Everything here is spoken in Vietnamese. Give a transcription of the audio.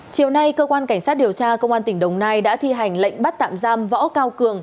chiều nay cơ quan cảnh sát điều tra công an tỉnh đồng nai đã thi hành lệnh bắt tạm giam võ cao cường